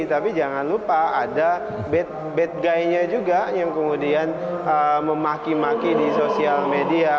tapi jangan lupa ada bad guy nya juga yang kemudian memaki maki di sosial media